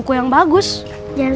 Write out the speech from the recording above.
kamu gak beres den